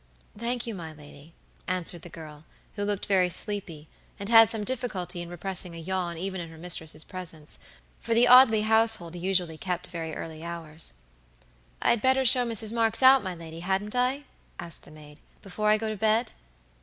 "Thank you, my lady," answered the girl, who looked very sleepy, and had some difficulty in repressing a yawn even in her mistress' presence, for the Audley household usually kept very early hours. "I'd better show Mrs. Marks out, my lady, hadn't I?" asked the maid, "before I go to bed?"